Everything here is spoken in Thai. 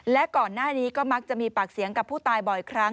และก่อนหน้านี้ก็มักจะมีปากเสียงกับผู้ตายบ่อยครั้ง